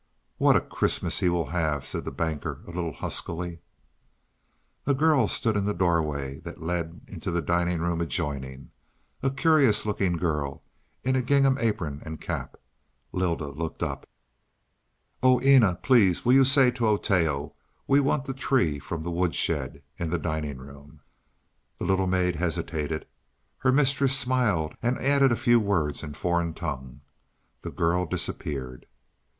"What a Christmas he will have," said the Banker, a little huskily. A girl stood in the doorway that led into the dining room adjoining a curious looking girl in a gingham apron and cap. Lylda looked up. "Oh, Eena, please will you say to Oteo we want the tree from the wood shed in the dining room." The little maid hesitated. Her mistress smiled and added a few words in foreign tongue. The girl disappeared.